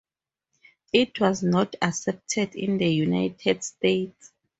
It was not accepted in the United States.